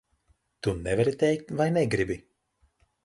Tu nevari teikt vai negribi?